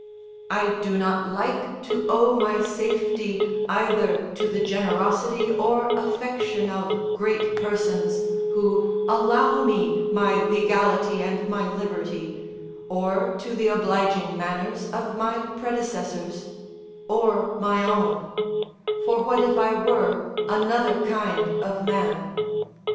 I do not like to owe my safety either to the generosity or affection of great persons, who allow me my legality and my liberty, or to the obliging manners of my predecessors, or my own: for what if I were another kind of man?